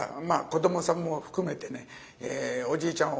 子どもさんも含めてねおじいちゃん